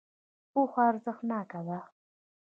پوهه ارزښتناکه ده.